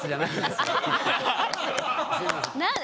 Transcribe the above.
すいません。